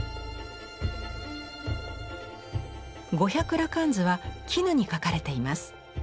「五百羅漢図」は絹に描かれています。